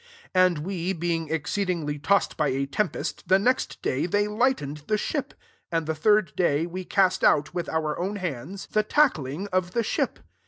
18 And, we being exceedingly tossed by a tempest, the next day they lightened the ship : 19 and the third day we cast out, with our own hands, the TkdmaoQ. d4S ACTS XXVII. tackling of the ship.